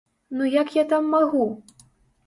Ну як я там магу?